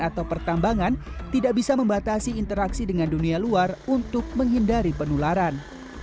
atau pertambangan tidak bisa membatasi interaksi dengan dunia luar untuk menghindari penularan